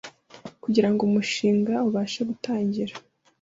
kugirango umushinga ubashe gutangira